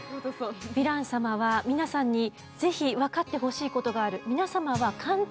ヴィラン様は皆さんにぜひわかってほしいことがある。